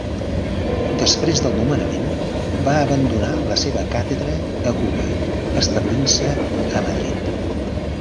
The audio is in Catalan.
Després del nomenament va abandonar la seva càtedra a Cuba, establint-se a Madrid.